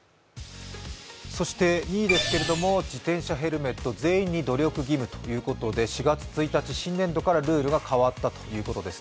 ２位ですけれども、自転車ヘルメット全員に努力義務ということで、４月１日、新年度からルールが変わったということです。